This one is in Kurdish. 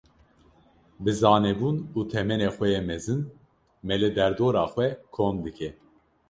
Bi zanebûn û temenê xwe yê mezin, me li derdora xwe kom dike.